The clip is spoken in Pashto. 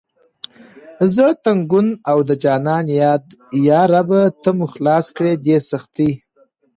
زړه تنګون او د جانان یاد یا ربه ته مو خلاص کړه دې سختي…